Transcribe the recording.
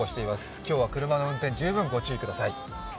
今日は車の運転十分ご注意ください。